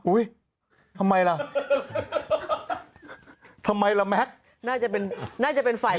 อุ๊ยทำไมล่ะ